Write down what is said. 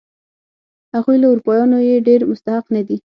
هغوی له اروپایانو یې ډېر مستحق نه دي.